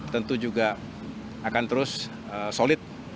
tentu juga akan terus solid